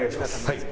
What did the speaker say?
はい。